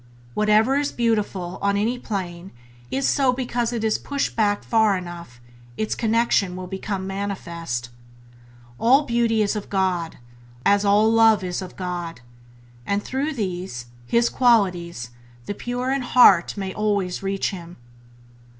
Whatever is beautiful, on any plane, is so because it is pushed back far enough, its connection will become manifest. All Beauty is of God, as all Love is of God; and through these, His Qualities, the pure in heart may always reach him".